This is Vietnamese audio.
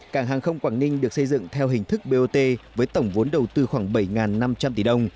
cảng hàng không quảng ninh được xây dựng theo hình thức bot với tổng vốn đầu tư khoảng bảy năm trăm linh tỷ đồng